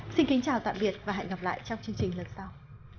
xin kính chào tạm biệt và hẹn gặp lại trong chương trình lần sau